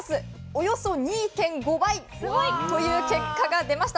およそ２．５倍という結果が出ました。